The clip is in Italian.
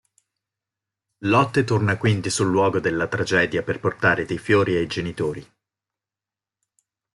Lotte torna quindi sul luogo della tragedia per portare dei fiori ai genitori.